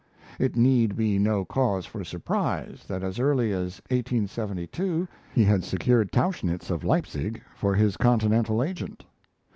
It need be no cause for surprise that as early as 1872 he had secured Tauchnitz, of Leipzig, for his Continental agent.